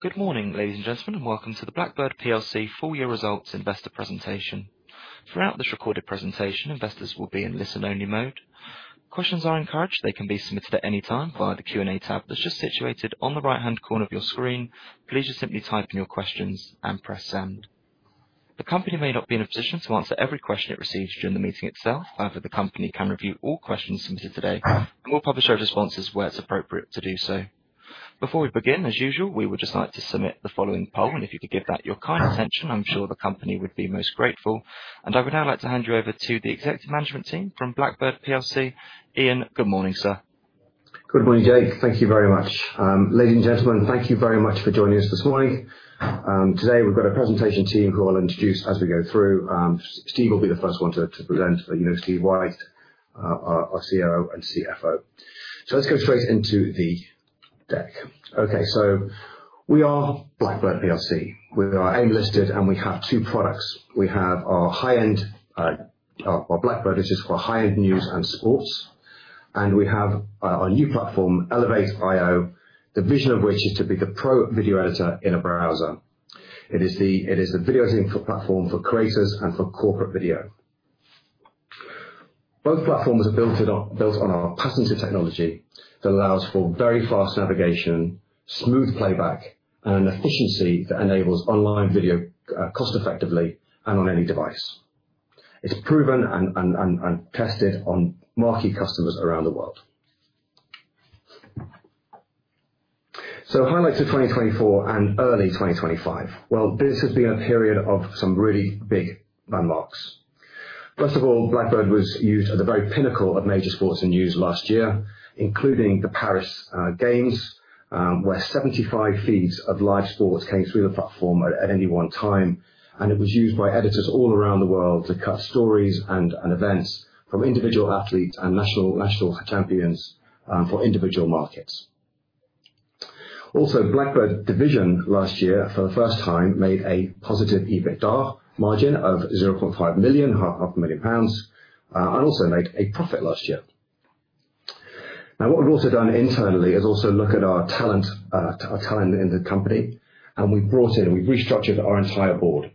Good morning, ladies and gentlemen, and welcome to the Blackbird plc full-year results investor presentation. Throughout this recorded presentation, investors will be in listen-only mode. Questions are encouraged; they can be submitted at any time via the Q&A tab that's just situated on the right-hand corner of your screen. Please just simply type in your questions and press send. The company may not be in a position to answer every question it receives during the meeting itself. However, the company can review all questions submitted today and will publish our responses where it's appropriate to do so. Before we begin, as usual, we would just like to submit the following poll, and if you could give that your kind attention, I'm sure the company would be most grateful. I would now like to hand you over to the executive management team from Blackbird. Ian, good morning, sir. Good morning, Jake. Thank you very much. Ladies and gentlemen, thank you very much for joining us this morning. Today, we've got a presentation team who I'll introduce as we go through. Steve will be the first one to present, but you know Steve White, our COO and CFO. Let's go straight into the deck. We are Blackbird plc. We are AIM-listed, and we have two products. We have our high-end, our Blackbird, which is for high-end news and sports, and we have our new platform, elevate.io, the vision of which is to be the pro video editor in a browser. It is the video editing platform for creators and for corporate video. Both platforms are built on our patented technology that allows for very fast navigation, smooth playback, and an efficiency that enables online video cost-effectively and on any device. It's proven and tested on marquee customers around the world. Highlights of 2024 and early 2025. This has been a period of some really big landmarks. First of all, Blackbird was used at the very pinnacle of major sports and news last year, including the Paris Games, where 75 feeds of live sports came through the platform at any one time, and it was used by editors all around the world to cut stories and events from individual athletes and national champions for individual markets. Also, Blackbird division last year, for the first time, made a positive EBITDA margin of 0.5 million, and also made a profit last year. What we've also done internally is also look at our talent in the company, and we brought in, we restructured our entire board.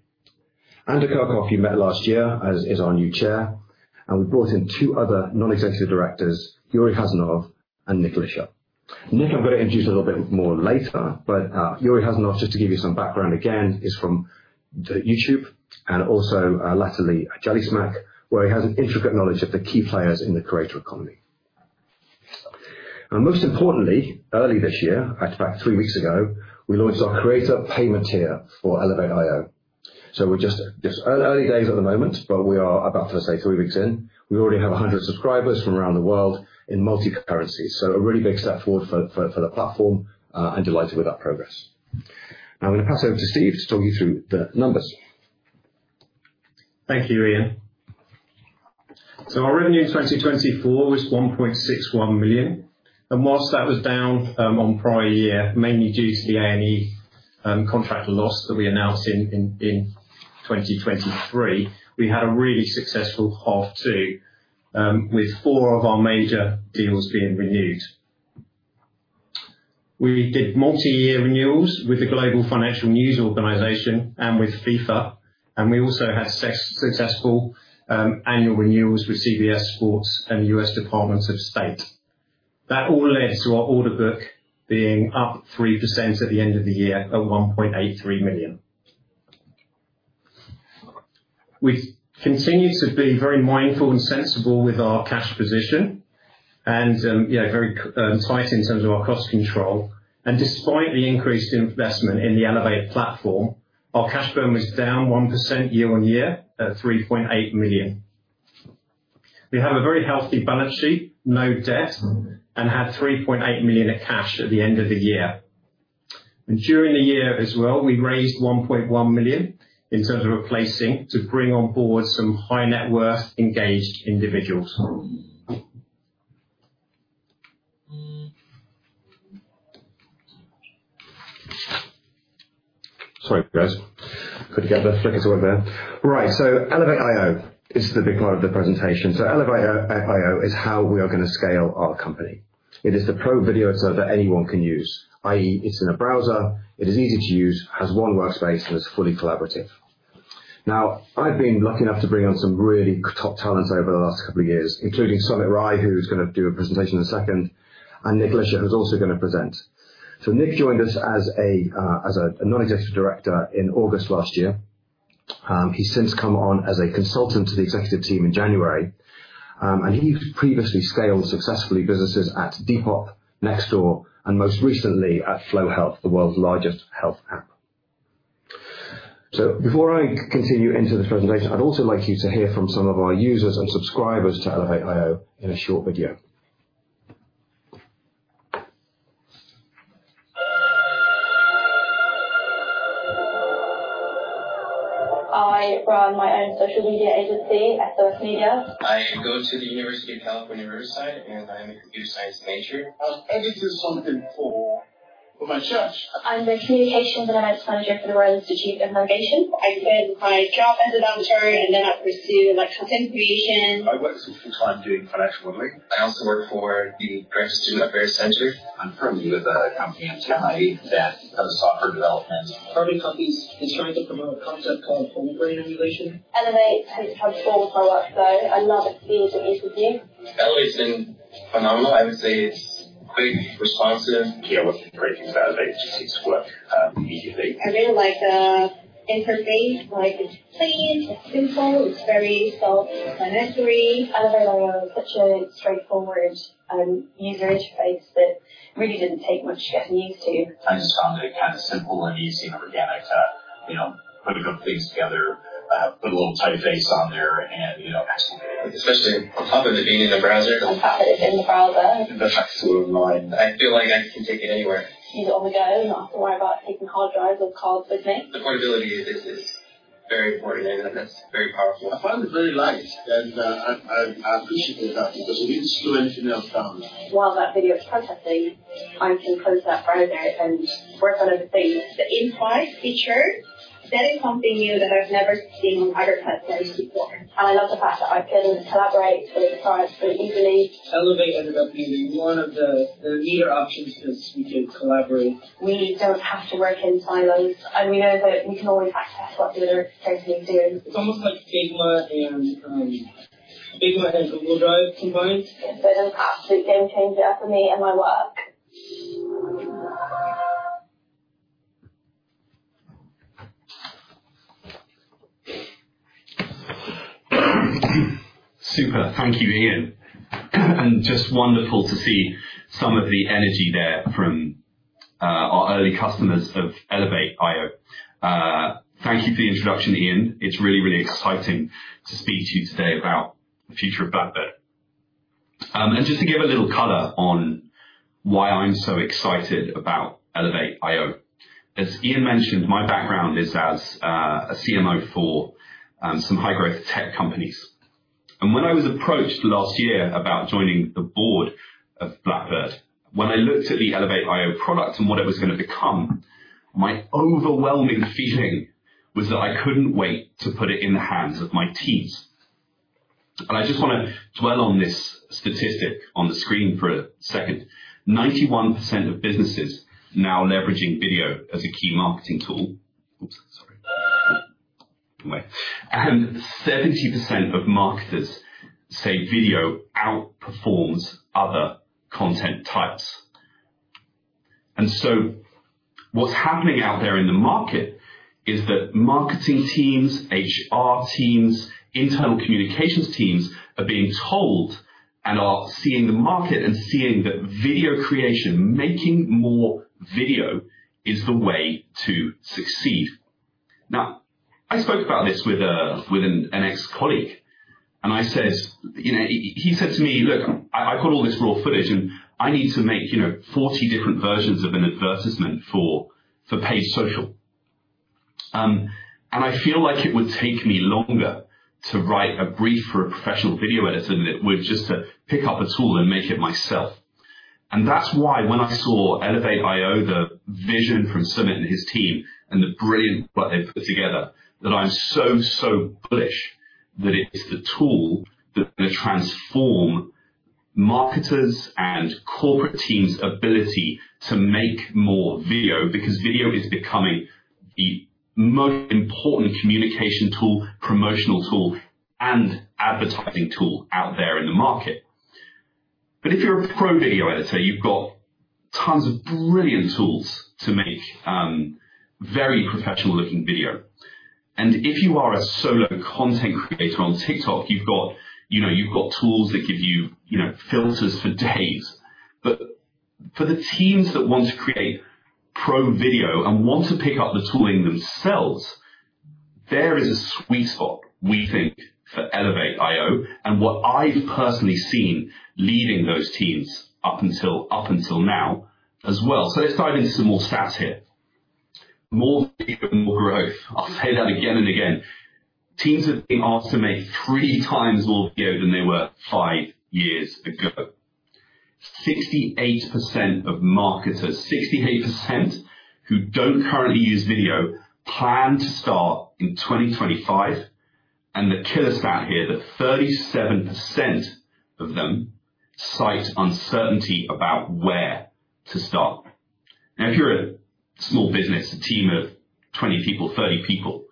Andrew Bentley, who you met last year, is our new Chair, and we brought in two other non-executive directors, Youri Hazanov and Nick Lisher. Nick, I'm going to introduce a little bit more later, but Youri Hazanov, just to give you some background again, is from YouTube and also latterly Jellysmack, where he has an intricate knowledge of the key players in the creator economy. Most importantly, early this year, actually back three weeks ago, we launched our creator payment tier for elevate.io. We are just early days at the moment, but we are about to say three weeks in. We already have 100 subscribers from around the world in multi-currencies, so a really big step forward for the platform, and delighted with that progress. Now I'm going to pass over to Steve to talk you through the numbers. Thank you, Ian. Our revenue in 2024 was 1.61 million, and whilst that was down on prior year, mainly due to the A+E Networks contract loss that we announced in 2023, we had a really successful half two, with four of our major deals being renewed. We did multi-year renewals with the global financial news organization and with FIFA, and we also had successful annual renewals with CBS Sports and the U.S. Department of State. That all led to our order book being up 3% at the end of the year at 1.83 million. We have continued to be very mindful and sensible with our cash position and very tight in terms of our cost control, and despite the increased investment in elevate.io platform, our cash burn was down 1% year-on-year at 3.8 million. We have a very healthy balance sheet, no debt, and had 3.8 million of cash at the end of the year. During the year as well, we raised 1.1 million in terms of a placing to bring on board some high-net-worth engaged individuals. Sorry, guys. The clicker's over there. Right, elevate.io is the big part of the presentation. elevate.io is how we are going to scale our company. It is the pro video editor that anyone can use, i.e., it's in a browser, it is easy to use, has one workspace, and is fully collaborative. Now, I've been lucky enough to bring on some really top talents over the last couple of years, including Sumit Rai, who's going to do a presentation in a second, and Nick Lisher, who's also going to present. Nick joined us as a non-executive director in August last year. He's since come on as a consultant to the executive team in January, and he's previously scaled successfully businesses at Depop, Nextdoor, and most recently at Flo Health, the world's largest health app. Before I continue into this presentation, I'd also like you to hear from some of our users and subscribers to elevate.io in a short video. I run my own social media agency, SOS Media. I go to the University of California, Riverside, and I am a computer science major. I'm editing something for my church. I'm the communications and events manager for the Royal Institute of Navigation. I spent my job as an auditor, and then I pursued content creation. I work full-time doing financial modeling. I also work for the Graduate Student Affairs Center. I'm currently with a company in Tennessee that does software development. Carboncopies is trying to promote a concept called Whole Brain Emulation. elevate.io has helped all of my work, so I love it being an interview. elevate.io's been phenomenal. I would say it's quick, responsive. Yeah, what's been great is that elevate.io just seems to work immediately. I really like the interface. It's clean, it's simple, it's very solid financially. elevate.io is such a straightforward user interface that really did not take much getting used to. I just found it kind of simple and easy and organic to put a couple of things together, put a little typeface on there. Especially on top of it being in the browser. On top of it being in the browser. The fact it's online, I feel like I can take it anywhere. Easy on the go, not have to worry about taking hard drives or cards with me. The portability is very important, and that's very powerful. I find it very light, and I appreciate it because it did not slow anything else down. While that video is processing, I can close that browser and work on other things. The in-flight feature, that is something new that I've never seen on other platforms before. I love the fact that I can collaborate with the products easily. elevate.io ended up being one of the better options because we can collaborate. We don't have to work in silos, and we know that we can always access what the other players are doing. It's almost like Figma and Google Drive combined. It's an absolute game changer for me and my work. Super, thank you, Ian. Just wonderful to see some of the energy there from our early customers of elevate.io. Thank you for the introduction, Ian. It's really, really exciting to speak to you today about the future of Blackbird. Just to give a little color on why I'm so excited about elevate.io, as Ian mentioned, my background is as a CMO for some high-growth tech companies. When I was approached last year about joining the board of Blackbird, when I looked at the elevate.io product and what it was going to become, my overwhelming feeling was that I couldn't wait to put it in the hands of my teams. I just want to dwell on this statistic on the screen for a second. 91% of businesses now leveraging video as a key marketing tool. Oops, sorry. Seventy percent of marketers say video outperforms other content types. What's happening out there in the market is that marketing teams, HR teams, internal communications teams are being told and are seeing the market and seeing that video creation, making more video, is the way to succeed. I spoke about this with an ex-colleague, and he said to me, "Look, I've got all this raw footage, and I need to make 40 different versions of an advertisement for paid social. I feel like it would take me longer to write a brief for a professional video editor than it would just to pick up a tool and make it myself. That is why when I saw elevate.io, the vision from Sumit and his team and the brilliant work they have put together, I am so, so bullish that it is the tool that is going to transform marketers' and corporate teams' ability to make more video because video is becoming the most important communication tool, promotional tool, and advertising tool out there in the market. If you are a pro video editor, you have tons of brilliant tools to make very professional-looking video. If you are a solo content creator on TikTok, you have tools that give you filters for days. For the teams that want to create pro video and want to pick up the tooling themselves, there is a sweet spot, we think, for elevate.io, and what I've personally seen leading those teams up until now as well. Let's dive into some more stats here. More video, more growth. I'll say that again and again. Teams are being asked to make three times more video than they were five years ago. 68% of marketers, 68% who do not currently use video, plan to start in 2025. The killer stat here is that 37% of them cite uncertainty about where to start. Now, if you're a small business, a team of 20 people, 30 people,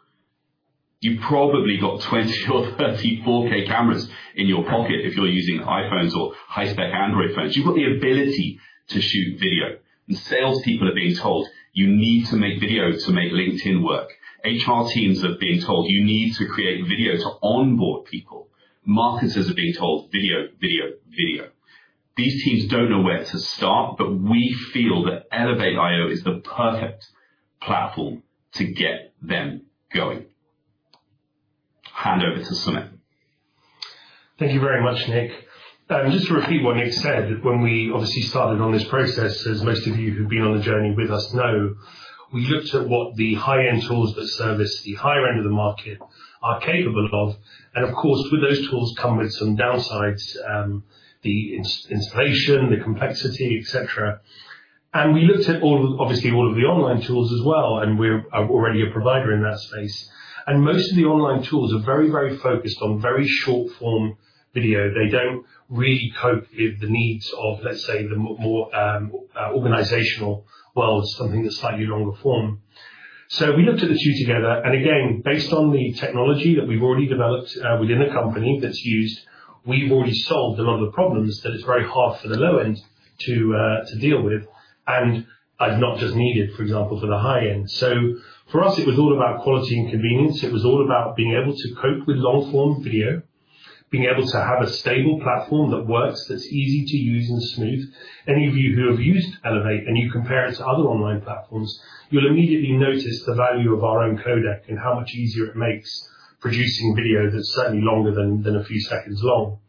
you've probably got 20 or 30 4K cameras in your pocket if you're using iPhones or high-spec Android phones. You've got the ability to shoot video. Salespeople are being told, "You need to make video to make LinkedIn work." HR teams are being told, "You need to create video to onboard people." Marketers are being told, "Video, video, video." These teams do not know where to start, but we feel that elevate.io is the perfect platform to get them going. Hand over to Sumit. Thank you very much, Nick. Just to repeat what Nick said, when we obviously started on this process, as most of you who've been on the journey with us know, we looked at what the high-end tools that service the higher end of the market are capable of. Of course, with those tools come with some downsides, the installation, the complexity, etc. We looked at obviously all of the online tools as well, and we're already a provider in that space. Most of the online tools are very, very focused on very short-form video. They do not really cope with the needs of, let's say, the more organizational world, something that's slightly longer form. We looked at the two together, and again, based on the technology that we've already developed within the company that's used, we've already solved a lot of the problems that it's very hard for the low end to deal with, and not just needed, for example, for the high end. For us, it was all about quality and convenience. It was all about being able to cope with long-form video, being able to have a stable platform that works, that's easy to use and smooth. Any of you who have used elevate.io, and you compare it to other online platforms, you'll immediately notice the value of our own codec and how much easier it makes producing video that's certainly longer than a few seconds long.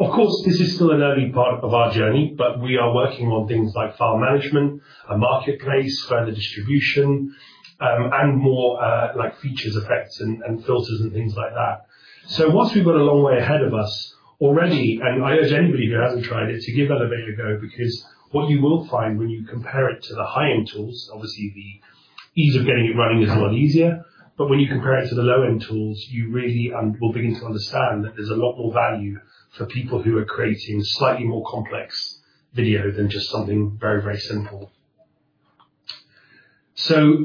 Of course, this is still an early part of our journey, but we are working on things like file management, a marketplace, further distribution, and more features, effects, and filters and things like that. Whilst we've got a long way ahead of us already, I urge anybody who hasn't tried it to give elevate.io a go because what you will find when you compare it to the high-end tools, obviously the ease of getting it running is a lot easier, but when you compare it to the low-end tools, you really will begin to understand that there's a lot more value for people who are creating slightly more complex video than just something very, very simple.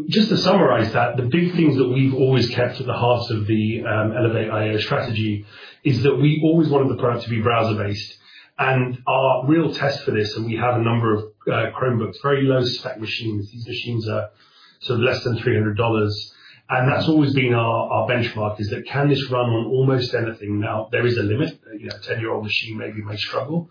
Just to summarize that, the big things that we've always kept at the heart of the elevate.io strategy is that we always wanted the product to be browser-based. Our real test for this, and we have a number of Chromebooks, very low-spec machines. These machines are sort of less than $300. That's always been our benchmark is that can this run on almost anything? Now, there is a limit. A 10-year-old machine maybe may struggle.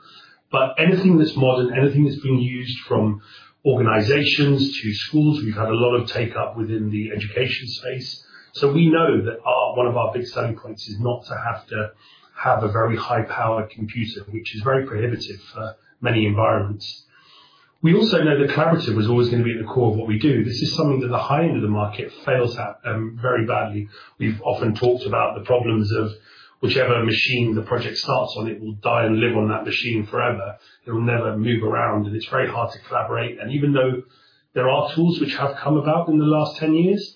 Anything that's modern, anything that's being used from organizations to schools, we've had a lot of take-up within the education space. We know that one of our big selling points is not to have to have a very high-powered computer, which is very prohibitive for many environments. We also know that collaborative was always going to be at the core of what we do. This is something that the high-end of the market fails at very badly. We've often talked about the problems of whichever machine the project starts on, it will die and live on that machine forever. It'll never move around, and it's very hard to collaborate. Even though there are tools which have come about in the last 10 years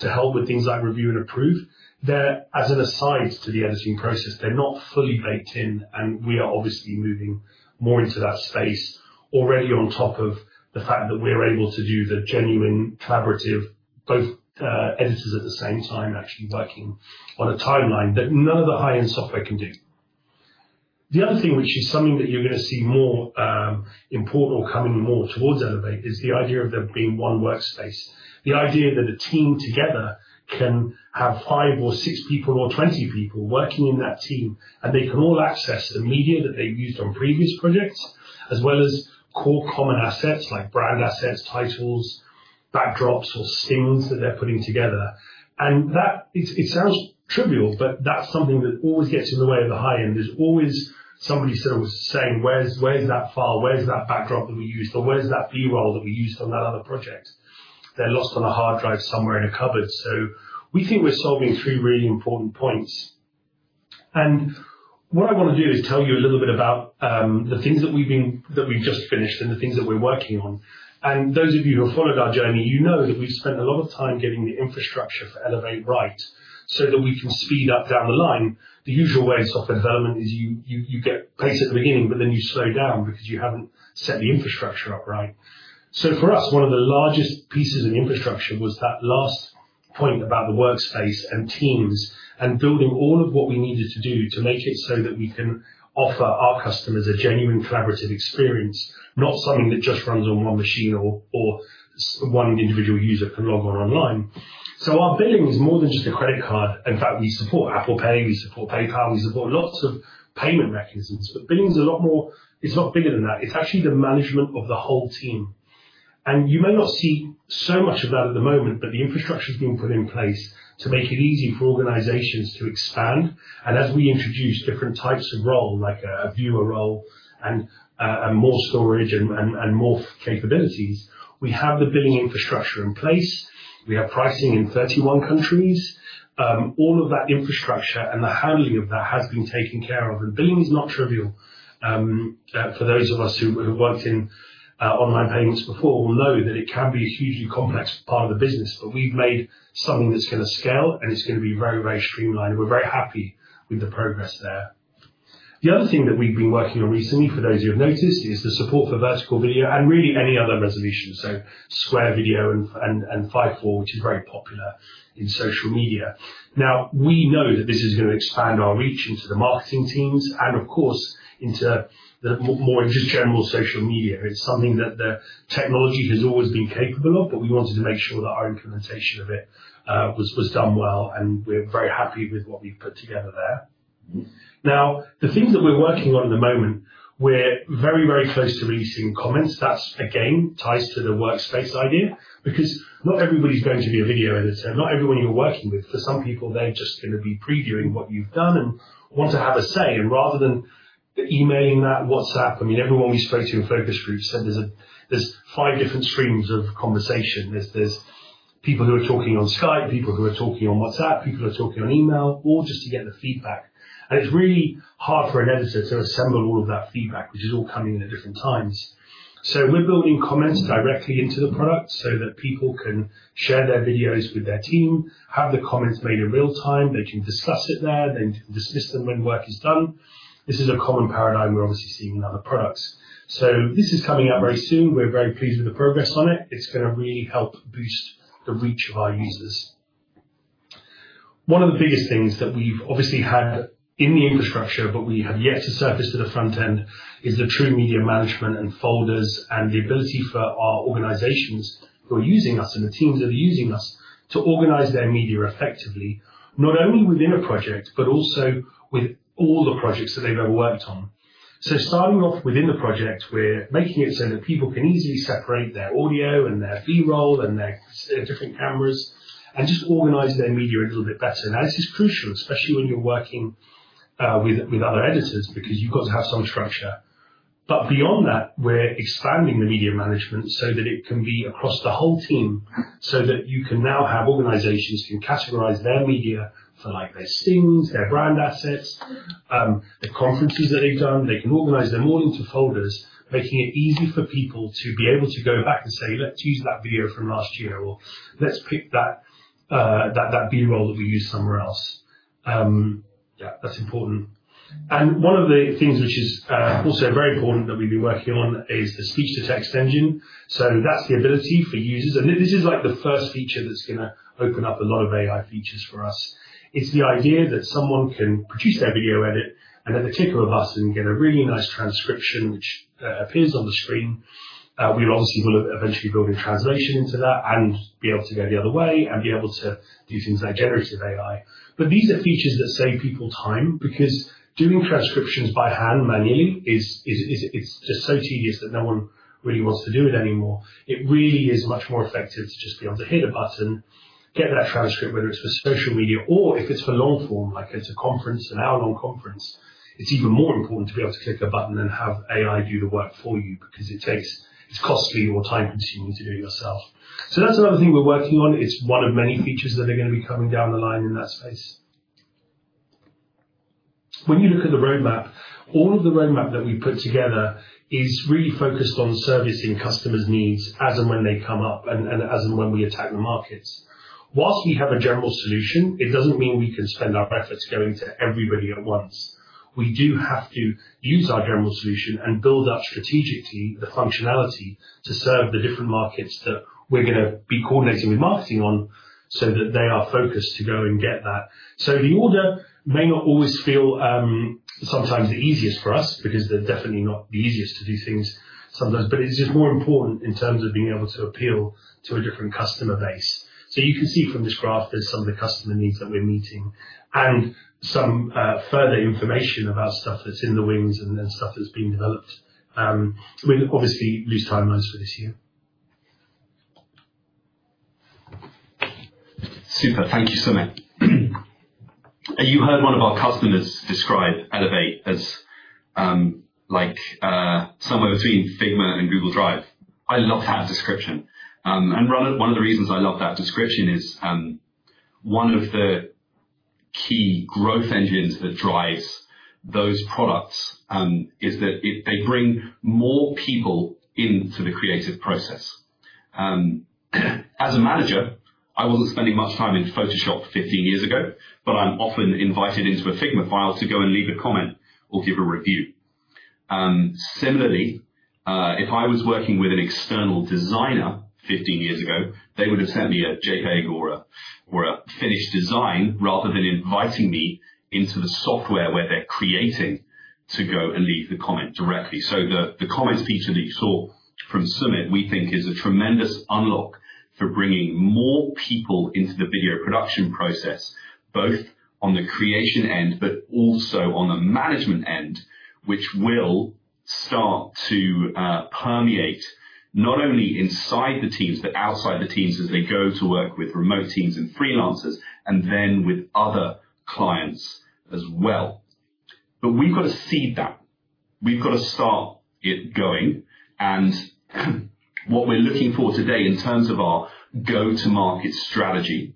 to help with things like review and approve, they're as an aside to the editing process. They're not fully baked in, and we are obviously moving more into that space already on top of the fact that we're able to do the genuine collaborative, both editors at the same time actually working on a timeline that none of the high-end software can do. The other thing, which is something that you're going to see more important or coming more towards elevate.io, is the idea of there being one workspace. The idea that a team together can have five or six people or 20 people working in that team, and they can all access the media that they've used on previous projects, as well as core common assets like brand assets, titles, backdrops, or stings that they're putting together. It sounds trivial, but that's something that always gets in the way of the high end. There's always somebody sort of saying, "Where's that file? Where's that backdrop that we used? Or where's that B-roll that we used on that other project?" They're lost on a hard drive somewhere in a cupboard. We think we're solving three really important points. What I want to do is tell you a little bit about the things that we've just finished and the things that we're working on. Those of you who have followed our journey, you know that we've spent a lot of time getting the infrastructure for elevate.io right so that we can speed up down the line. The usual way in software development is you get pace at the beginning, but then you slow down because you haven't set the infrastructure up right. For us, one of the largest pieces of infrastructure was that last point about the workspace and teams and building all of what we needed to do to make it so that we can offer our customers a genuine collaborative experience, not something that just runs on one machine or one individual user can log on online. Our billing is more than just a credit card. In fact, we support Apple Pay, we support PayPal, we support lots of payment mechanisms. Billing is a lot more; it is a lot bigger than that. It is actually the management of the whole team. You may not see so much of that at the moment, but the infrastructure has been put in place to make it easy for organizations to expand. As we introduce different types of role, like a viewer role and more storage and more capabilities, we have the billing infrastructure in place. We have pricing in 31 countries. All of that infrastructure and the handling of that has been taken care of. Billing is not trivial. For those of us who have worked in online payments before, we will know that it can be a hugely complex part of the business, but we have made something that is going to scale, and it is going to be very, very streamlined. We are very happy with the progress there. The other thing that we've been working on recently, for those who have noticed, is the support for vertical video and really any other resolution, so square video and 5:4, which is very popular in social media. Now, we know that this is going to expand our reach into the marketing teams and, of course, into more just general social media. It's something that the technology has always been capable of, but we wanted to make sure that our implementation of it was done well. We are very happy with what we've put together there. Now, the things that we're working on at the moment, we're very, very close to releasing comments. That, again, ties to the workspace idea because not everybody's going to be a video editor. Not everyone you're working with, for some people, they're just going to be previewing what you've done and want to have a say. Rather than emailing that, WhatsApp, I mean, everyone we spoke to in focus groups said there's five different streams of conversation. There's people who are talking on Skype, people who are talking on WhatsApp, people who are talking on email, all just to get the feedback. It's really hard for an editor to assemble all of that feedback, which is all coming in at different times. We're building comments directly into the product so that people can share their videos with their team, have the comments made in real time. They can discuss it there. They can dismiss them when work is done. This is a common paradigm we're obviously seeing in other products. This is coming out very soon. We're very pleased with the progress on it. It's going to really help boost the reach of our users. One of the biggest things that we've obviously had in the infrastructure, but we have yet to surface to the front end, is the true media management and folders and the ability for our organizations who are using us and the teams that are using us to organize their media effectively, not only within a project, but also with all the projects that they've ever worked on. Starting off within the project, we're making it so that people can easily separate their audio and their B-roll and their different cameras and just organize their media a little bit better. This is crucial, especially when you're working with other editors because you've got to have some structure. Beyond that, we're expanding the media management so that it can be across the whole team so that you can now have organizations can categorize their media for their stings, their brand assets, the conferences that they've done. They can organize them all into folders, making it easy for people to be able to go back and say, "Let's use that video from last year," or, "Let's pick that B-roll that we used somewhere else." Yeah, that's important. One of the things which is also very important that we've been working on is the speech-to-text engine. That's the ability for users. This is like the first feature that's going to open up a lot of AI features for us. It's the idea that someone can produce their video edit and at the tick of a button get a really nice transcription, which appears on the screen. We obviously will eventually build a translation into that and be able to go the other way and be able to do things like generative AI. These are features that save people time because doing transcriptions by hand manually, it's just so tedious that no one really wants to do it anymore. It really is much more effective to just be able to hit a button, get that transcript, whether it's for social media or if it's for long-form, like it's a conference, an hour-long conference, it's even more important to be able to click a button and have AI do the work for you because it's costly or time-consuming to do it yourself. That is another thing we're working on. It's one of many features that are going to be coming down the line in that space. When you look at the roadmap, all of the roadmap that we've put together is really focused on servicing customers' needs as and when they come up and as and when we attack the markets. Whilst we have a general solution, it doesn't mean we can spend our efforts going to everybody at once. We do have to use our general solution and build up strategically the functionality to serve the different markets that we're going to be coordinating with marketing on so that they are focused to go and get that. The order may not always feel sometimes the easiest for us because they're definitely not the easiest to do things sometimes, but it's just more important in terms of being able to appeal to a different customer base. You can see from this graph, there's some of the customer needs that we're meeting and some further information about stuff that's in the wings and then stuff that's being developed. We obviously lose timelines for this year. Super. Thank you, Sumit. You heard one of our customers describe elevate.io as somewhere between Figma and Google Drive. I love that description. One of the reasons I love that description is one of the key growth engines that drives those products is that they bring more people into the creative process. As a manager, I wasn't spending much time in Photoshop 15 years ago, but I'm often invited into a Figma file to go and leave a comment or give a review. Similarly, if I was working with an external designer 15 years ago, they would have sent me a JPEG or a finished design rather than inviting me into the software where they're creating to go and leave the comment directly. The comments feature that you saw from Sumit, we think, is a tremendous unlock for bringing more people into the video production process, both on the creation end, but also on the management end, which will start to permeate not only inside the teams, but outside the teams as they go to work with remote teams and freelancers and then with other clients as well. We have got to seed that. We have got to start it going. What we're looking for today in terms of our go-to-market strategy,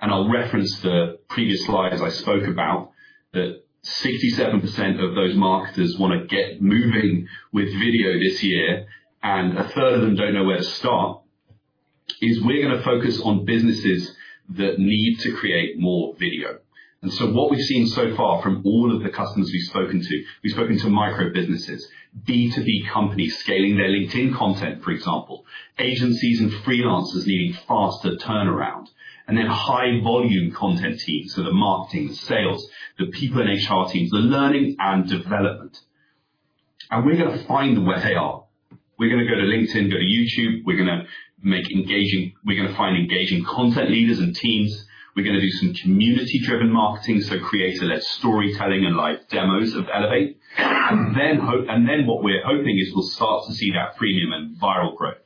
and I'll reference the previous slides I spoke about, that 67% of those marketers want to get moving with video this year, and a third of them don't know where to start, is we're going to focus on businesses that need to create more video. What we've seen so far from all of the customers we've spoken to, we've spoken to micro businesses, B2B companies scaling their LinkedIn content, for example, agencies and freelancers needing faster turnaround, and then high-volume content teams, so the marketing, the sales, the people in HR teams, the learning and development. We're going to find where they are. We're going to go to LinkedIn, go to YouTube. We're going to find engaging content leaders and teams. We're going to do some community-driven marketing, so creator-led storytelling and live demos of elevate.io. What we're hoping is we'll start to see that premium and viral growth.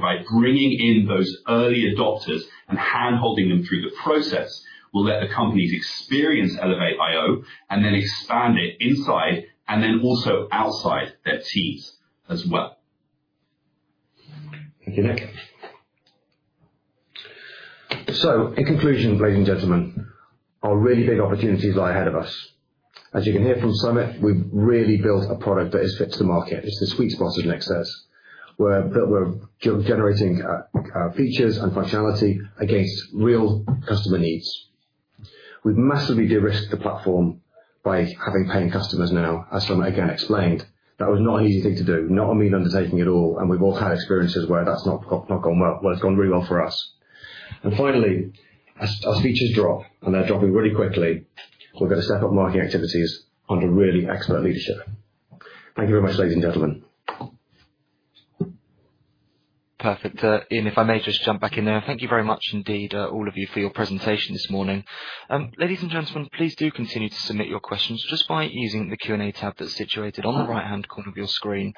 By bringing in those early adopters and hand-holding them through the process, we'll let the companies experience elevate.io and then expand it inside and also outside their teams as well. Thank you, Nick. In conclusion, ladies and gentlemen, our really big opportunities lie ahead of us. As you can hear from Sumit, we've really built a product that is fit to the market. It's the sweet spot, as Nick says, that we're generating features and functionality against real customer needs. We've massively de-risked the platform by having paying customers now, as Sumit again explained. That was not an easy thing to do, not a mean undertaking at all. We've all had experiences where that's not gone well. It has gone really well for us. Finally, as features drop, and they're dropping really quickly, we're going to step up marketing activities under really expert leadership. Thank you very much, ladies and gentlemen. Perfect. Ian, if I may just jump back in there, thank you very much indeed, all of you, for your presentation this morning. Ladies and gentlemen, please do continue to submit your questions just by using the Q&A tab that is situated on the right-hand corner of your screen.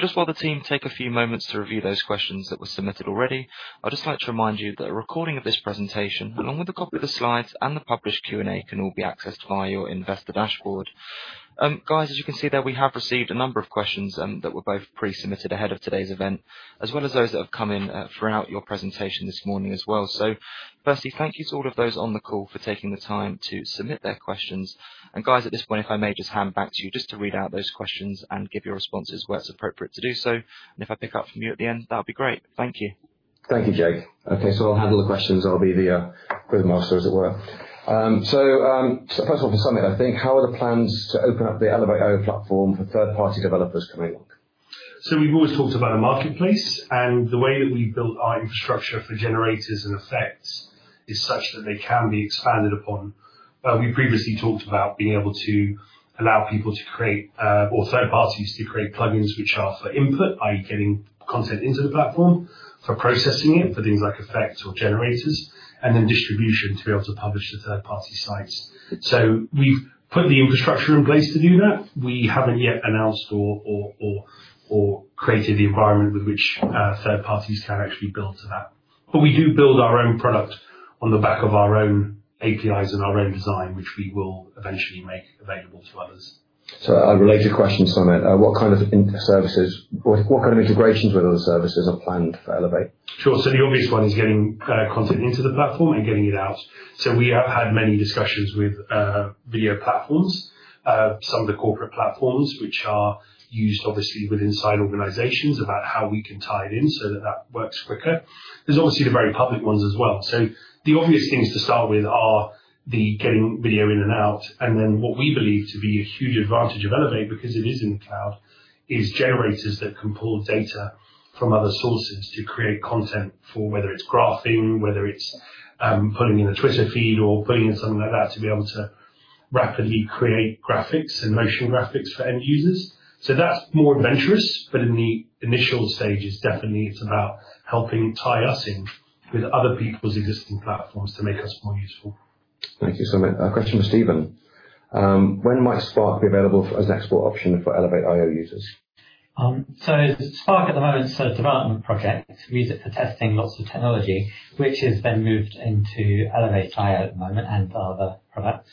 Just while the team take a few moments to review those questions that were submitted already, I would just like to remind you that a recording of this presentation, along with a copy of the slides and the published Q&A, can all be accessed via your Investor Dashboard. Guys, as you can see there, we have received a number of questions that were both pre-submitted ahead of today's event, as well as those that have come in throughout your presentation this morning as well. Firstly, thank you to all of those on the call for taking the time to submit their questions. Guys, at this point, if I may just hand back to you just to read out those questions and give your responses where it is appropriate to do so. If I pick up from you at the end, that would be great. Thank you. Thank you, Jake. Okay, I'll handle the questions. I'll be the Ringmaster, as it were. First off, Sumit, I think, how are the plans to open up the elevate.io platform for third-party developers coming along? We have always talked about a marketplace, and the way that we have built our infrastructure for generators and effects is such that they can be expanded upon. We previously talked about being able to allow people to create or third parties to create plugins which are for input, i.e., getting content into the platform, for processing it, for things like effects or generators, and then distribution to be able to publish to third-party sites. We have put the infrastructure in place to do that. We have not yet announced or created the environment with which third parties can actually build to that. We do build our own product on the back of our own APIs and our own design, which we will eventually make available to others. A related question, Sumit. What kind of services, what kind of integrations with other services are planned for elevate.io? Sure. The obvious one is getting content into the platform and getting it out. We have had many discussions with video platforms, some of the corporate platforms which are used obviously within organizations, about how we can tie it in so that that works quicker. There are obviously the very public ones as well. The obvious things to start with are getting video in and out. What we believe to be a huge advantage of elevate.io, because it is in the cloud, is generators that can pull data from other sources to create content for whether it's graphing, whether it's pulling in a Twitter feed or pulling in something like that to be able to rapidly create graphics and motion graphics for end users. That is more adventurous, but in the initial stages, definitely, it is about helping tie us in with other people's existing platforms to make us more useful. Thank you, Sumit. A question for Stephen. When might Spark be available as an export option for elevate.io users? Spark at the moment is a development project. We use it for testing lots of technology, which has been moved into elevate.io at the moment and other products.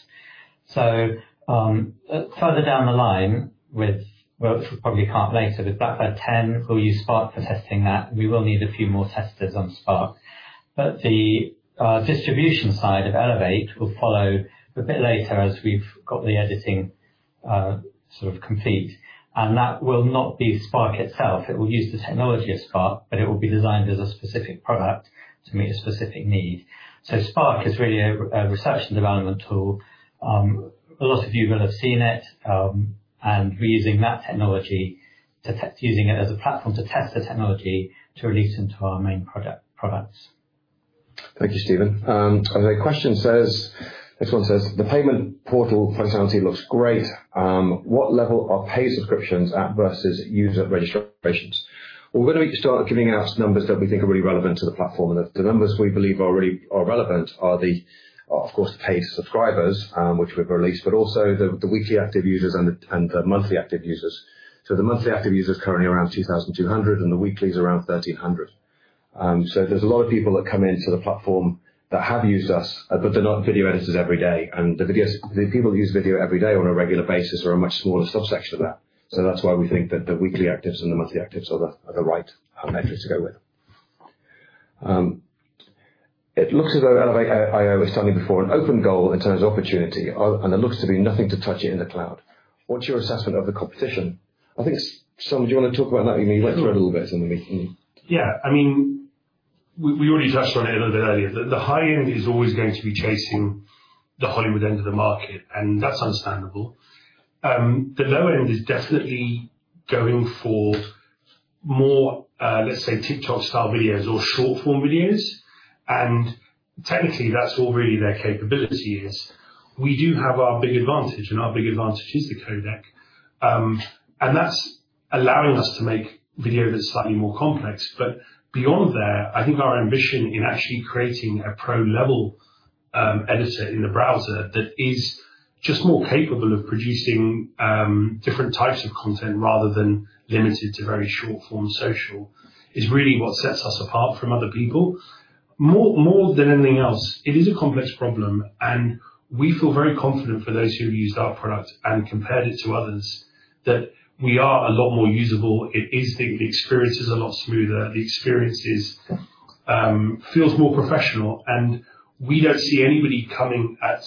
Further down the line, which will probably come up later with Blackbird 10, we'll use Spark for testing that. We will need a few more testers on Spark. The distribution side of elevate.io will follow a bit later as we've got the editing sort of complete. That will not be Spark itself. It will use the technology of Spark, but it will be designed as a specific product to meet a specific need. Spark is really a research and development tool. A lot of you will have seen it. We're using that technology, using it as a platform to test the technology to release into our main products. Thank you, Stephen. The question says, this one says, "The payment portal functionality looks great. What level are paid subscriptions at versus user registrations?" We are going to start giving out numbers that we think are really relevant to the platform. The numbers we believe are relevant are, of course, the paid subscribers, which we have released, but also the weekly active users and the monthly active users. The monthly active user is currently around 2,200, and the weekly is around 1,300. There are a lot of people that come into the platform that have used us, but they are not video editors every day. The people who use video every day on a regular basis are a much smaller subsection of that. That is why we think that the weekly actives and the monthly actives are the right metrics to go with. It looks as though elevate.io is standing before an open goal in terms of opportunity, and there looks to be nothing to touch it in the cloud. What's your assessment of the competition? I think, Sumit, do you want to talk about that? You went through it a little bit, and then we. Yeah. I mean, we already touched on it a little bit earlier. The high end is always going to be chasing the Hollywood end of the market, and that's understandable. The low end is definitely going for more, let's say, TikTok-style videos or short-form videos. Technically, that's all really their capability is. We do have our big advantage, and our big advantage is the codec. That's allowing us to make video that's slightly more complex. Beyond there, I think our ambition in actually creating a pro-level editor in the browser that is just more capable of producing different types of content rather than limited to very short-form social is really what sets us apart from other people. More than anything else, it is a complex problem. We feel very confident for those who have used our product and compared it to others that we are a lot more usable. The experience is a lot smoother. The experience feels more professional. We do not see anybody coming at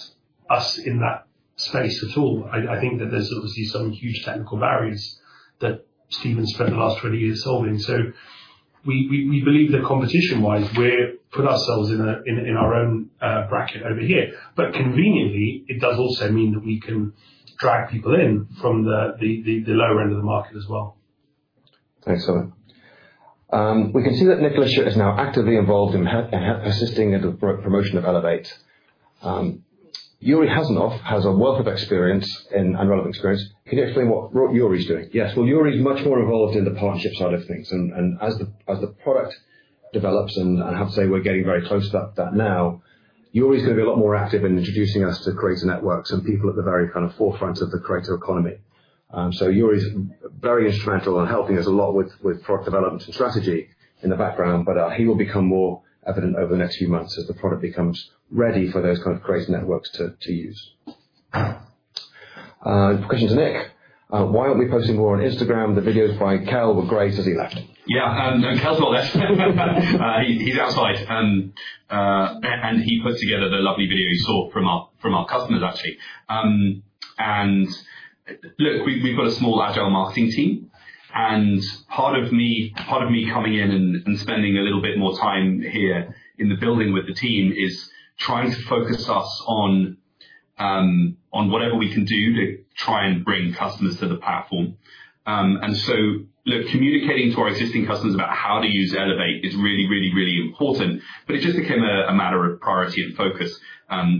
us in that space at all. I think that there are obviously some huge technical barriers that Stephen spent the last 20 years solving. We believe that competition-wise, we have put ourselves in our own bracket over here. Conveniently, it does also mean that we can drag people in from the lower end of the market as well. Thanks, Sumit. We can see that Nick Lisher is now actively involved in assisting in the promotion of elevate.io. Youri Hazanov has a wealth of experience and relevant experience. Can you explain what Youri is doing? Yes. Youri is much more involved in the partnership side of things. As the product develops and, I have to say, we're getting very close to that now, Youri is going to be a lot more active in introducing us to creator networks and people at the very kind of forefront of the creator economy. Youri is very instrumental in helping us a lot with product development and strategy in the background. He will become more evident over the next few months as the product becomes ready for those kind of creator networks to use. Question to Nick. Why aren't we posting more on Instagram? The videos by Kell were great as he left. Yeah. Kell's well left. He's outside. And he put together the lovely video you saw from our customers, actually. Look, we've got a small agile marketing team. Part of me coming in and spending a little bit more time here in the building with the team is trying to focus us on whatever we can do to try and bring customers to the platform. Look, communicating to our existing customers about how to use elevate.io is really, really, really important. It just became a matter of priority and focus.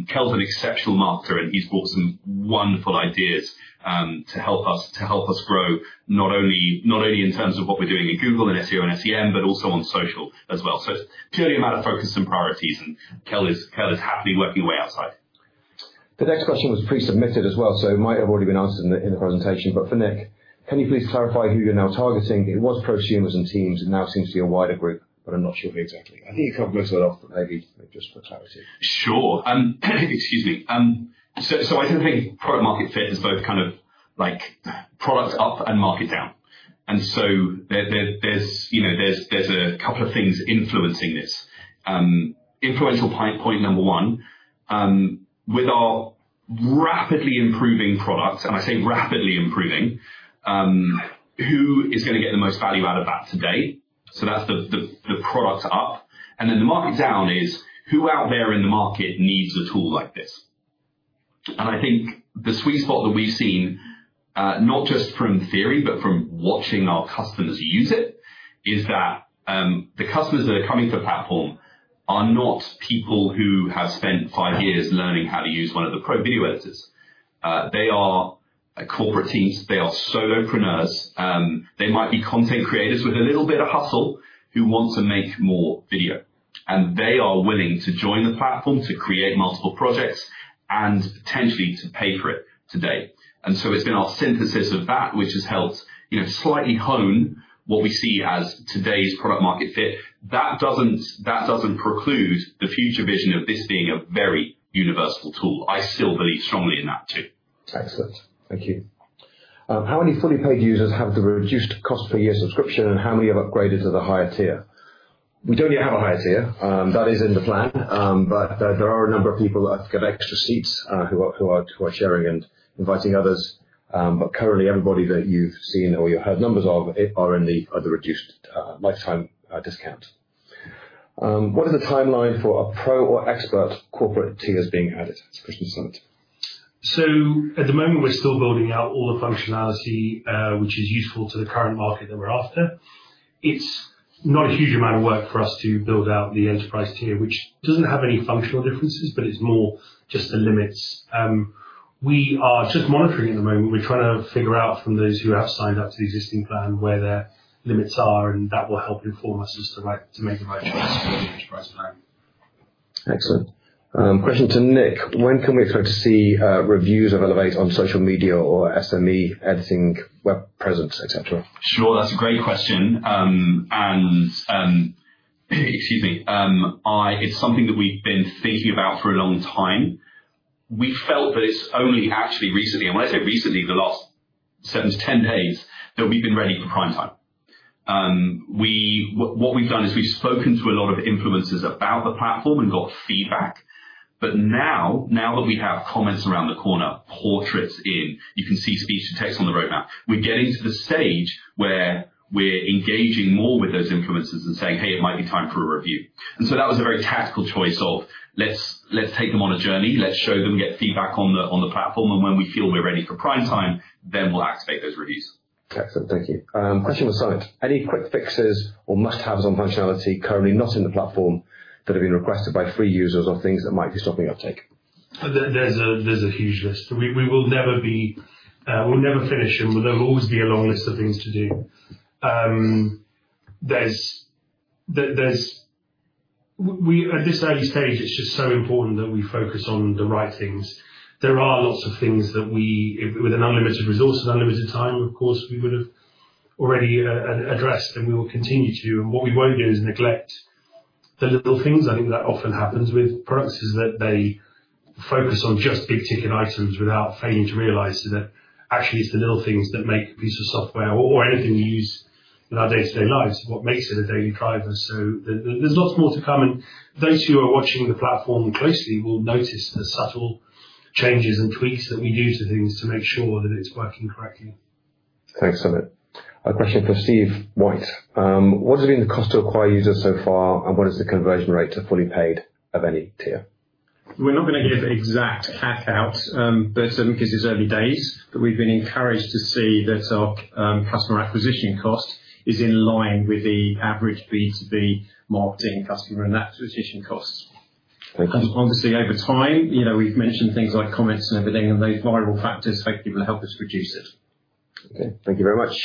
Kell's an exceptional marketer, and he's brought some wonderful ideas to help us grow, not only in terms of what we're doing at Google and SEO and SEM, but also on social as well. It's purely a matter of focus and priorities. Kell is happily working away outside. The next question was pre-submitted as well, so it might have already been answered in the presentation. For Nick, can you please clarify who you're now targeting? It was prosumers and teams, and now it seems to be a wider group, but I'm not sure exactly. I think Kell can go to it after, maybe just for clarity. Sure. Excuse me. I tend to think product-market fit is both kind of like product up and market down. There are a couple of things influencing this. Influential point number one, with our rapidly improving product, and I say rapidly improving, who is going to get the most value out of that today? That is the product up. The market down is who out there in the market needs a tool like this? I think the sweet spot that we have seen, not just from theory, but from watching our customers use it, is that the customers that are coming to the platform are not people who have spent five years learning how to use one of the pro video editors. They are corporate teams. They are solopreneurs. They might be content creators with a little bit of hustle who want to make more video. They are willing to join the platform to create multiple projects and potentially to pay for it today. It has been our synthesis of that, which has helped slightly hone what we see as today's product-market fit. That does not preclude the future vision of this being a very universal tool. I still believe strongly in that too. Excellent. Thank you. How many fully paid users have the reduced cost per year subscription, and how many have upgraded to the higher tier? We do not yet have a higher tier. That is in the plan. There are a number of people that have got extra seats who are sharing and inviting others. Currently, everybody that you have seen or you have heard numbers of are in the reduced lifetime discount. What is the timeline for a pro or expert corporate tier being added? That is a question to Sumit. At the moment, we're still building out all the functionality which is useful to the current market that we're after. It's not a huge amount of work for us to build out the enterprise tier, which doesn't have any functional differences, but it's more just the limits. We are just monitoring at the moment. We're trying to figure out from those who have signed up to the existing plan where their limits are, and that will help inform us as to make the right choice for the enterprise plan. Excellent. Question to Nick. When can we expect to see reviews of elevate.io on social media or SME, editing, web presence, etc.? Sure. That's a great question. Excuse me. It's something that we've been thinking about for a long time. We felt that it's only actually recently, and when I say recently, the last seven to 10 days, that we've been ready for prime time. What we've done is we've spoken to a lot of influencers about the platform and got feedback. Now that we have comments around the corner, portraits in, you can see speech-to-text on the roadmap, we're getting to the stage where we're engaging more with those influencers and saying, "Hey, it might be time for a review." That was a very tactical choice of, "Let's take them on a journey. Let's show them, get feedback on the platform. When we feel we're ready for prime time, then we'll activate those reviews. Excellent. Thank you. Question for Sumit. Any quick fixes or must-haves on functionality currently not in the platform that have been requested by free users or things that might be stopping uptake? There's a huge list. We will never be, we'll never finish them, but there will always be a long list of things to do. At this early stage, it's just so important that we focus on the right things. There are lots of things that we, with an unlimited resource and unlimited time, of course, we would have already addressed, and we will continue to. What we won't do is neglect the little things. I think that often happens with products is that they focus on just big-ticket items without failing to realize that actually, it's the little things that make a piece of software or anything we use in our day-to-day lives what makes it a daily driver. There's lots more to come. Those who are watching the platform closely will notice the subtle changes and tweaks that we do to things to make sure that it's working correctly. Thanks, Sumit. A question for Steve White. What has been the cost to acquire users so far, and what is the conversion rate to fully paid of any tier? We're not going to give exact checkouts, but because it's early days, we've been encouraged to see that our customer acquisition cost is in line with the average B2B marketing customer and that's acquisition costs. Thank you. Obviously, over time, we've mentioned things like comments and everything, and those viral factors hopefully will help us reduce it. Okay. Thank you very much.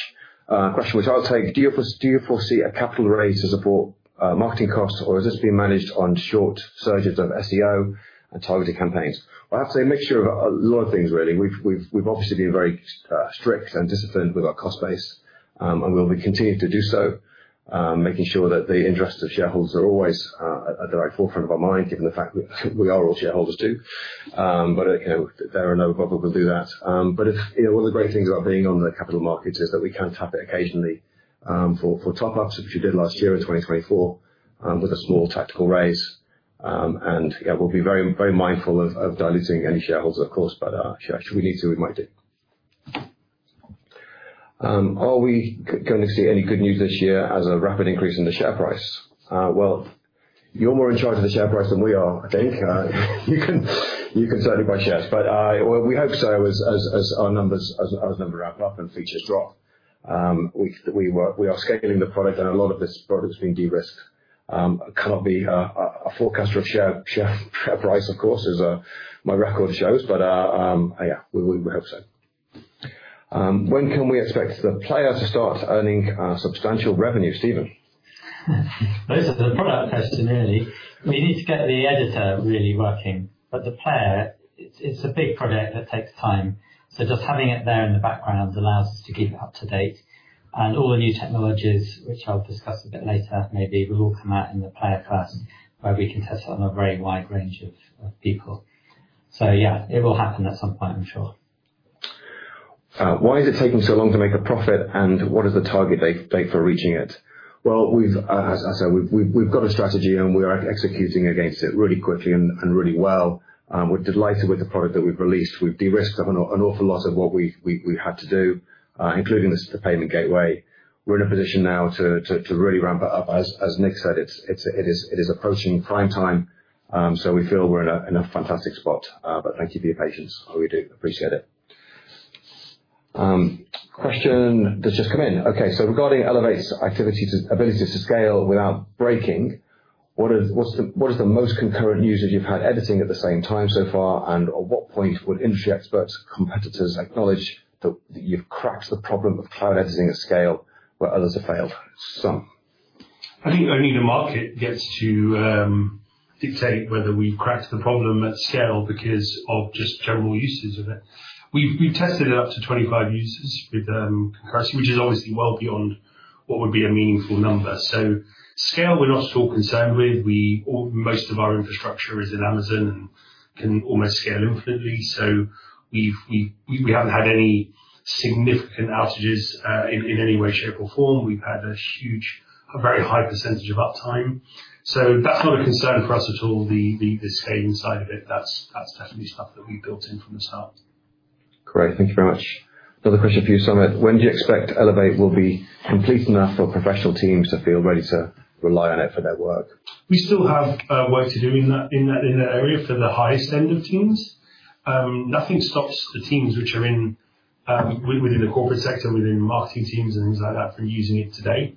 Question, which I'll take. Do you foresee a capital raise to support marketing costs, or is this being managed on short surges of SEO and targeted campaigns? I have to say a mixture of a lot of things, really. We've obviously been very strict and disciplined with our cost base, and we'll continue to do so, making sure that the interests of shareholders are always at the right forefront of our mind, given the fact that we are all shareholders too. There are no other people who will do that. One of the great things about being on the capital market is that we can tap it occasionally for top-ups, which we did last year in 2024 with a small tactical raise. Yeah, we'll be very mindful of diluting any shareholders, of course, but should we need to, we might do. Are we going to see any good news this year as a rapid increase in the share price? You are more in charge of the share price than we are, I think. You can certainly buy shares. We hope so as our numbers ramp up and features drop. We are scaling the product, and a lot of this product has been de-risked. I cannot be a forecaster of share price, of course, as my record shows, but yeah, we hope so. When can we expect the player to start earning substantial revenue, Stephen? Most of the product has to nearly. We need to get the editor really working. The player, it's a big project that takes time. Just having it there in the background allows us to keep it up to date. All the new technologies, which I'll discuss a bit later maybe, will all come out in the player first, where we can test it on a very wide range of people. Yeah, it will happen at some point, I'm sure. Why is it taking so long to make a profit, and what is the target date for reaching it? As I said, we've got a strategy, and we are executing against it really quickly and really well. We're delighted with the product that we've released. We've de-risked an awful lot of what we had to do, including the payment gateway. We're in a position now to really ramp it up. As Nick said, it is approaching prime time. We feel we're in a fantastic spot. Thank you for your patience. We do appreciate it. Question that's just come in. Regarding elevate.io's ability to scale without breaking, what is the most concurrent usage you've had editing at the same time so far, and at what point would industry experts, competitors acknowledge that you've cracked the problem of cloud editing at scale where others have failed? Sumit. I think only the market gets to dictate whether we've cracked the problem at scale because of just general uses of it. We've tested it up to 25 users with concurrency, which is obviously well beyond what would be a meaningful number. Scale, we're not at all concerned with. Most of our infrastructure is in Amazon and can almost scale infinitely. We haven't had any significant outages in any way, shape, or form. We've had a huge, a very high percentage of uptime. That's not a concern for us at all, the scaling side of it. That's definitely stuff that we've built in from the start. Great. Thank you very much. Another question for you, Sumit. When do you expect elevate.io will be complete enough for professional teams to feel ready to rely on it for their work? We still have work to do in that area for the highest end of teams. Nothing stops the teams which are within the corporate sector, within marketing teams and things like that, from using it today.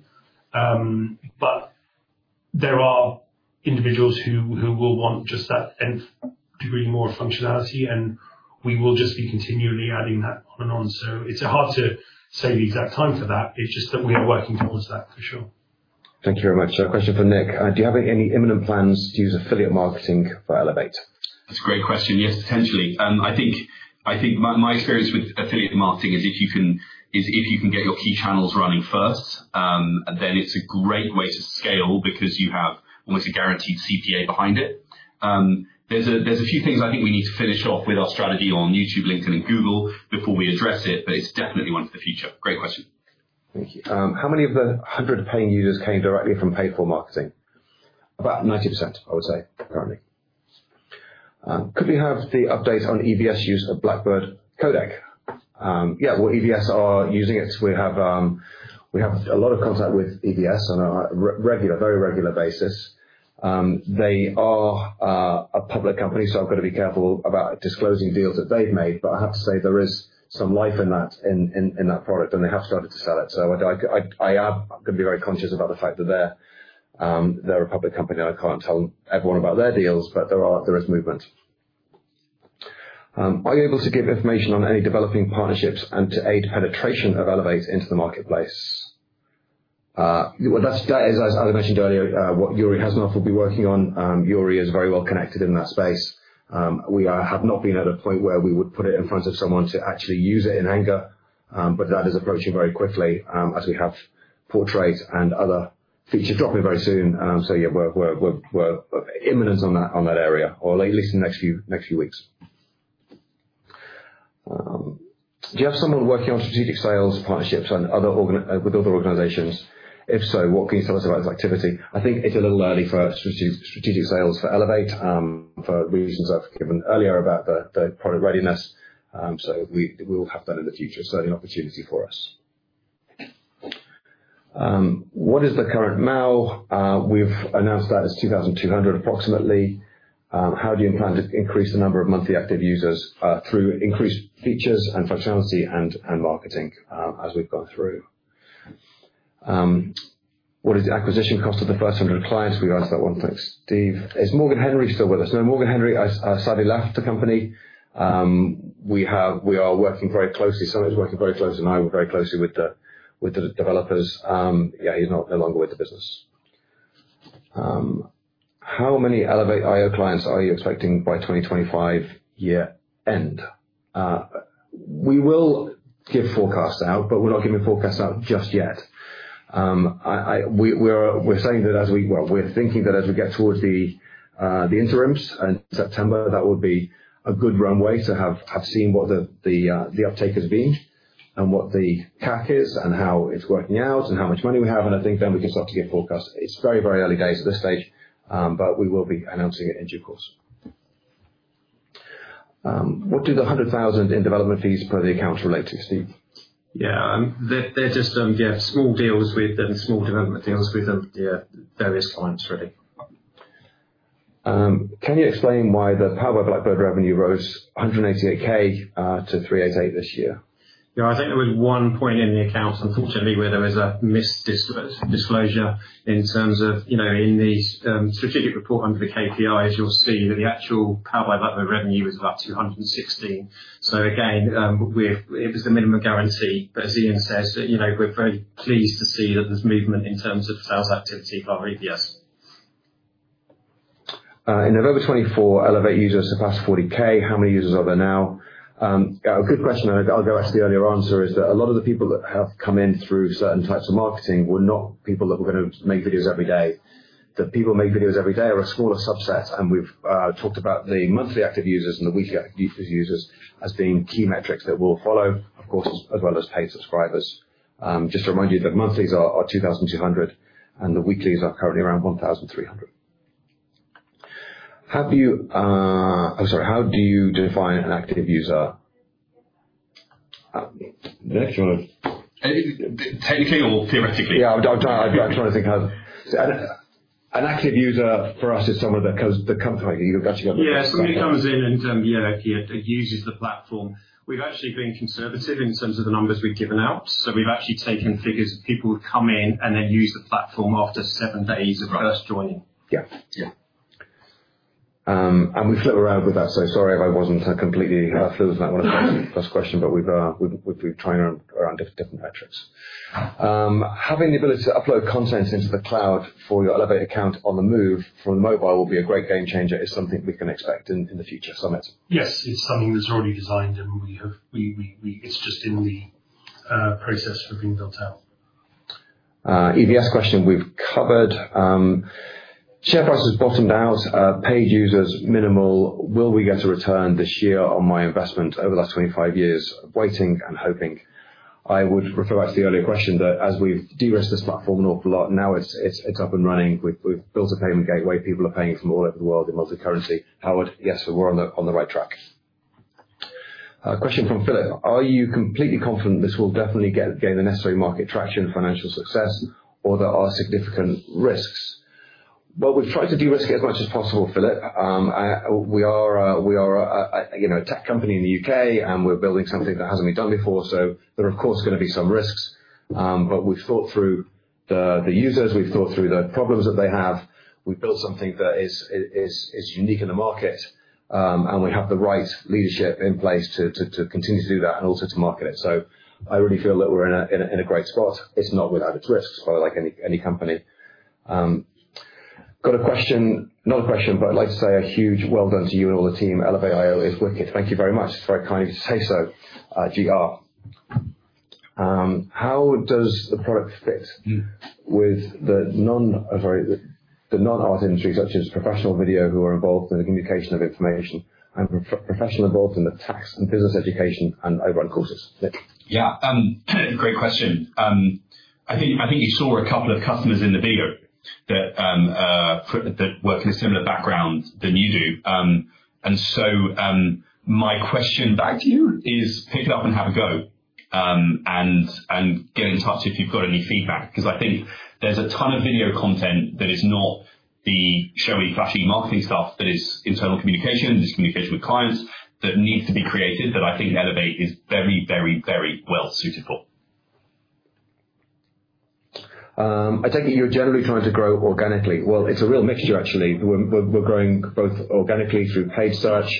There are individuals who will want just that nth degree more of functionality, and we will just be continually adding that on and on. It is hard to say the exact time for that. It is just that we are working towards that, for sure. Thank you very much. A question for Nick. Do you have any imminent plans to use affiliate marketing for elevate.io? That's a great question. Yes, potentially. I think my experience with affiliate marketing is if you can get your key channels running first, then it's a great way to scale because you have almost a guaranteed CPA behind it. There's a few things I think we need to finish off with our strategy on YouTube, LinkedIn, and Google before we address it, but it's definitely one for the future. Great question. Thank you. How many of the 100 paying users came directly from paid-for marketing? About 90%, I would say, currently. Could we have the update on EVS use of Blackbird codec? Yeah, EVS are using it. We have a lot of contact with EVS on a very regular basis. They are a public company, so I have to be careful about disclosing deals that they have made. I have to say there is some life in that product, and they have started to sell it. I am going to be very conscious about the fact that they are a public company. I cannot tell everyone about their deals, but there is movement. Are you able to give information on any developing partnerships and to aid penetration of elevate.io into the marketplace? That is, as I mentioned earlier, what Youri Hazanov will be working on. Youri is very well connected in that space. We have not been at a point where we would put it in front of someone to actually use it in anger, but that is approaching very quickly as we have portrait and other features dropping very soon. Yeah, we are imminent on that area, or at least in the next few weeks. Do you have someone working on strategic sales partnerships with other organizations? If so, what can you tell us about its activity? I think it is a little early for strategic sales for elevate.io for reasons I have given earlier about the product readiness. We will have that in the future. It is certainly an opportunity for us. What is the current MAU? We have announced that it is 2,200 approximately. How do you plan to increase the number of monthly active users through increased features and functionality and marketing as we've gone through? What is the acquisition cost of the first 100 clients? We answered that one. Thanks, Steve. Is Morgan Henry still with us? No, Morgan Henry sadly left the company. We are working very closely. Sumit is working very closely, and I work very closely with the developers. Yeah, he's no longer with the business. How many elevate.io clients are you expecting by 2025 year-end? We will give forecasts out, but we're not giving forecasts out just yet. We're saying that as we're thinking that as we get towards the interims in September, that would be a good runway to have seen what the uptake has been and what the CAC is and how it's working out and how much money we have. I think then we can start to give forecasts. It's very, very early days at this stage, but we will be announcing it in due course. What do the 100,000 in development fees per the account relate to, Steve? Yeah, they're just small deals with and small development deals with various clients really. Can you explain why the Powered by Blackbird revenue rose 188,000 to 388,000 this year? Yeah, I think there was one point in the accounts, unfortunately, where there was a misdisclosure in terms of in the strategic report under the KPIs, you'll see that the actual Powered by Blackbird revenue was about 216,000. So again, it was the minimum guarantee. As Ian says, we're very pleased to see that there's movement in terms of sales activity for EVS. In November 2024, elevate.io users surpassed 40,000. How many users are there now? A good question. I'll go back to the earlier answer is that a lot of the people that have come in through certain types of marketing were not people that were going to make videos every day. The people who make videos every day are a smaller subset. We have talked about the monthly active users and the weekly active users as being key metrics that we will follow, of course, as well as paid subscribers. Just to remind you that monthlies are 2,200 and the weeklies are currently around 1,300. How do you define an active user? Nick, do you want to? Technically or theoretically? Yeah, I'm trying to think how. An active user for us is someone that comes in. Yeah, somebody comes in and uses the platform. We've actually been conservative in terms of the numbers we've given out. We've actually taken figures of people who've come in and then used the platform after seven days of first joining. Yeah. We flip around with that. Sorry if I wasn't completely fluid with that last question, but we've trained around different metrics. Having the ability to upload content into the cloud for your elevate.io account on the move from mobile will be a great game changer. It's something we can expect in the future, Sumit. Yes, it's something that's already designed, and it's just in the process of being built out. EVS question we've covered. Share prices bottomed out, paid users minimal. Will we get a return this year on my investment over the last 25 years? Waiting and hoping. I would refer back to the earlier question that as we've de-risked this platform an awful lot, now it's up and running. We've built a payment gateway. People are paying from all over the world in multi-currency. Howard, yes, we're on the right track. Question from Philip. Are you completely confident this will definitely gain the necessary market traction and financial success, or there are significant risks? We've tried to de-risk it as much as possible, Philip. We are a tech company in the U.K., and we're building something that hasn't been done before. There are, of course, going to be some risks. We've thought through the users. We've thought through the problems that they have. We've built something that is unique in the market, and we have the right leadership in place to continue to do that and also to market it. I really feel that we're in a great spot. It's not without its risks, like any company. Got a question, not a question, but I'd like to say a huge well done to you and all the team. elevate.io is wicked. Thank you very much. It's very kind of you to say so, GR. How does the product fit with the non-M&E industry, such as professional video who are involved in the communication of information and professional involved in the tax and business education and overall courses? Yeah, great question. I think you saw a couple of customers in the video that work in a similar background than you do. My question back to you is pick it up and have a go and get in touch if you've got any feedback. I think there's a ton of video content that is not the showy, flashy marketing stuff that is internal communication, that is communication with clients that needs to be created, that I think elevate.io is very, very, very well suited for. I take it you're generally trying to grow organically. It's a real mixture, actually. We're growing both organically through paid search,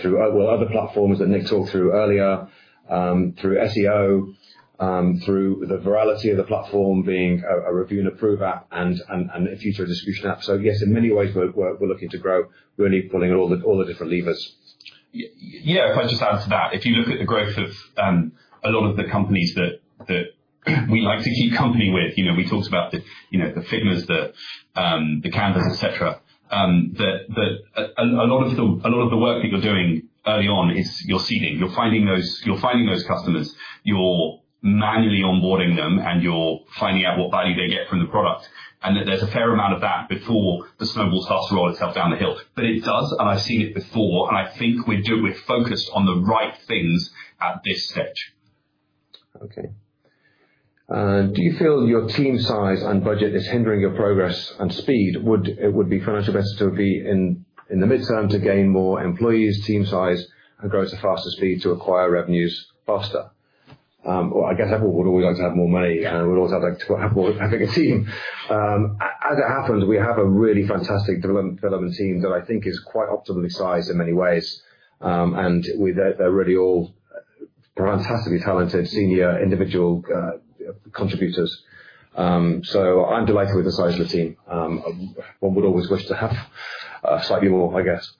through other platforms that Nick talked through earlier, through SEO, through the virality of the platform being a review and approve app and a future distribution app. Yes, in many ways, we're looking to grow. We're only pulling all the different levers. Yeah, if I just add to that, if you look at the growth of a lot of the companies that we like to keep company with, we talked about the Figma, the Canva, etc., that a lot of the work that you're doing early on is you're seeding. You're finding those customers. You're manually onboarding them, and you're finding out what value they get from the product. There's a fair amount of that before the snowball starts to roll itself down the hill. It does, and I've seen it before. I think we're focused on the right things at this stage. Okay. Do you feel your team size and budget is hindering your progress and speed? Would it be financially better to be in the midterm to gain more employees, team size, and grow at a faster speed to acquire revenues faster? I guess everyone would always like to have more money, and we'd always like to have a bigger team. As it happens, we have a really fantastic development team that I think is quite optimally sized in many ways. They are really all fantastically talented senior individual contributors. I am delighted with the size of the team. One would always wish to have slightly more, I guess.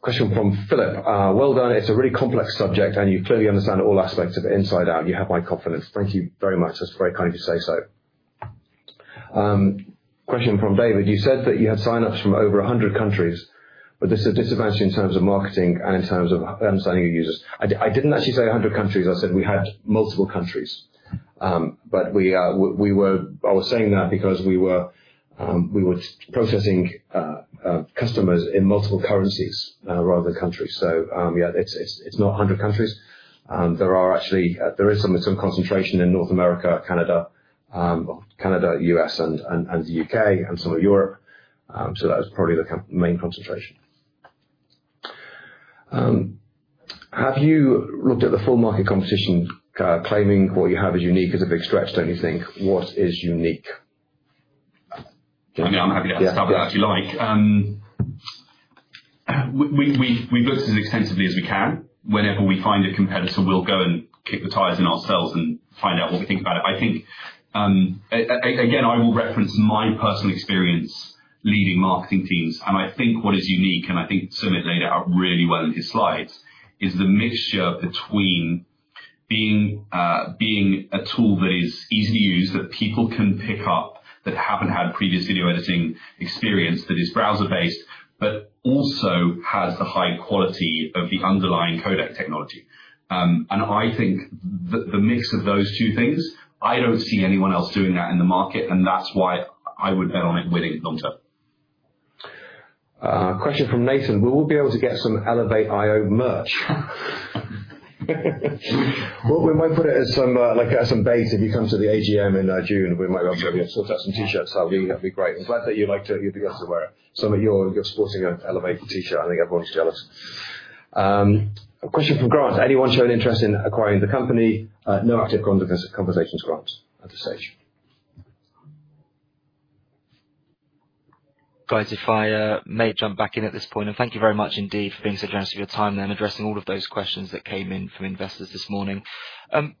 Question from Philip. Well done. It is a really complex subject, and you clearly understand all aspects of it inside out. You have my confidence. Thank you very much. That is very kind of you to say so. Question from David. You said that you had sign-ups from over 100 countries, but this is a disadvantage in terms of marketing and in terms of understanding your users. I did not actually say 100 countries. I said we had multiple countries. I was saying that because we were processing customers in multiple currencies rather than countries. Yeah, it is not 100 countries. There is some concentration in North America, Canada, U.S., and the U.K., and some of Europe. That was probably the main concentration. Have you looked at the full market competition, claiming what you have is unique is a big stretch, do not you think? What is unique? I mean, I'm happy to answer that if you like. We've looked as extensively as we can. Whenever we find a competitor, we'll go and kick the tires in ourselves and find out what we think about it. I think, again, I will reference my personal experience leading marketing teams. I think what is unique, and I think Sumit laid out really well in his slides, is the mixture between being a tool that is easy to use, that people can pick up, that haven't had previous video editing experience, that is browser-based, but also has the high quality of the underlying codec technology. I think the mix of those two things, I don't see anyone else doing that in the market, and that's why I would bet on it winning long term. Question from Nathan. Will we be able to get some elevate.io merch? We might put it as some bait. If you come to the AGM in June, we might be able to have you sort out some T-shirts. That would be great. I'm glad that you'd be able to wear it. Sumit, you're sporting an elevate.io T-shirt. I think everyone's jealous. Question from Grant. Anyone showing interest in acquiring the company? No active conversations with Grant at this stage. Guys, if I may jump back in at this point, and thank you very much indeed for being so generous of your time and addressing all of those questions that came in from investors this morning.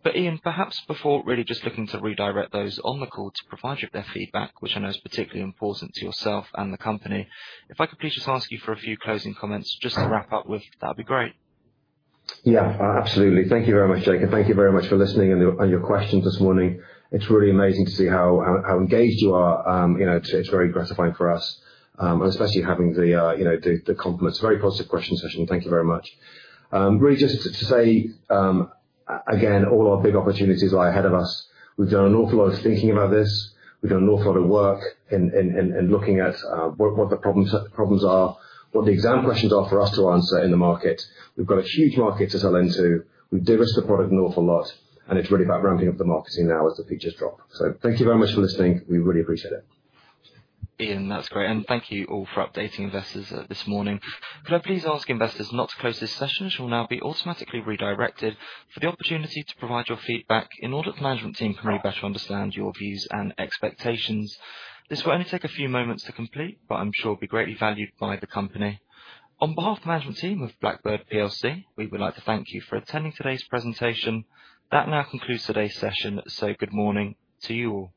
Ian, perhaps before really just looking to redirect those on the call to provide you with their feedback, which I know is particularly important to yourself and the company, if I could please just ask you for a few closing comments just to wrap up with. That would be great. Yeah, absolutely. Thank you very much, Jake. Thank you very much for listening and your questions this morning. It's really amazing to see how engaged you are. It's very gratifying for us, and especially having the compliments. Very positive question session. Thank you very much. Really just to say, again, all our big opportunities lie ahead of us. We've done an awful lot of thinking about this. We've done an awful lot of work in looking at what the problems are, what the exam questions are for us to answer in the market. We've got a huge market to sell into. We've de-risked the product an awful lot, and it's really about ramping up the marketing now as the features drop. Thank you very much for listening. We really appreciate it. Ian, that's great. Thank you all for updating investors this morning. Could I please ask investors not to close this session? It will now be automatically redirected for the opportunity to provide your feedback in order for the management team to better understand your views and expectations. This will only take a few moments to complete, but I'm sure it will be greatly valued by the company. On behalf of the management team of Blackbird, we would like to thank you for attending today's presentation. That now concludes today's session. Good morning to you all.